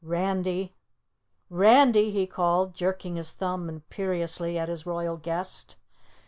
"Randy! RANDY!" he called, jerking his thumb imperiously at his royal guest.